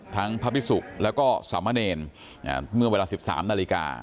ทั้งพระพิสุกแล้วก็สามะเนรอ่าเมื่อเวลาสิบสามนาฬิกา